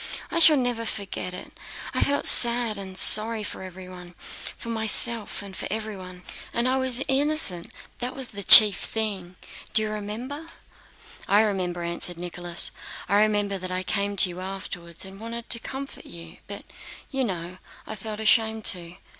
I shall never forget it: I felt sad and sorry for everyone, for myself, and for everyone. And I was innocent—that was the chief thing," said Natásha. "Do you remember?" "I remember," answered Nicholas. "I remember that I came to you afterwards and wanted to comfort you, but do you know, I felt ashamed to.